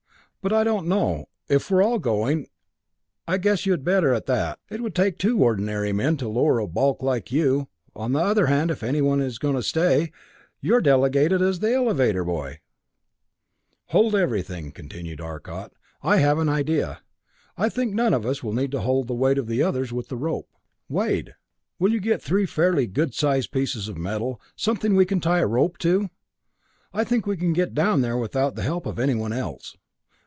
"But I don't know if we're all going, I guess you had better, at that. It would take two ordinary men to lower a big bulk like you. On the other hand, if anybody is going to stay, you're delegated as elevator boy! "Hold everything," continued Arcot. "I have an idea. I think none of us will need to hold the weight of the others with the rope. Wade, will you get three fairly good sized pieces of metal, something we can tie a rope to? I think we can get down here without the help of anyone else.